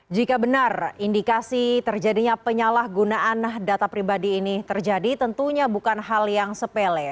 jika benar indikasi terjadinya penyalahgunaan data pribadi ini terjadi tentunya bukan hal yang sepele